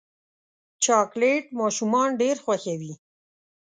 چاکلېټ ماشومان ډېر خوښوي.